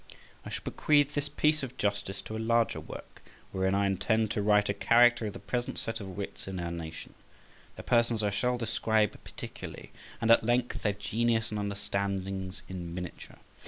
I shall bequeath this piece of justice to a larger work, wherein I intend to write a character of the present set of wits in our nation; their persons I shall describe particularly and at length, their genius and understandings in miniature.